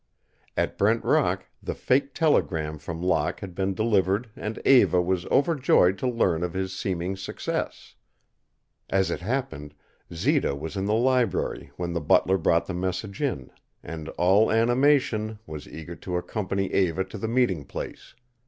At Brent Rock, the faked telegram from Locke had been delivered and Eva was overjoyed to learn of his seeming success. As it happened, Zita was in the library when the butler brought the message in, and, all animation, was eager to accompany Eva to the meeting place.